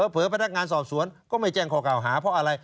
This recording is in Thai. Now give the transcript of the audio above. เผลอพนักงานสอบสวนก็ไม่แจ้งข้อเก่าหาเพราะอะไร